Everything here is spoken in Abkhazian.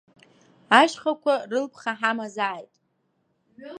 Ашьхақәа рылԥха ҳамазаааит!